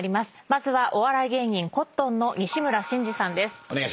まずはお笑い芸人コットンの西村真二さんです。